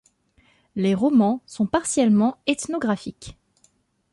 Les romans sont partiellement ethnographiques.